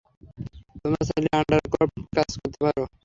তোমরা চাইলে আন্ডারক্রফটে কাজ করতে পারো।